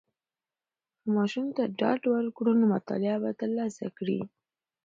که ماشوم ته ډاډ ورکړو، نو مطالعه به تر لاسه کړي.